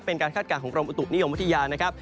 เป็นการคาดการณ์ของกรมอุตุนิยมวัฒนิยานะครับ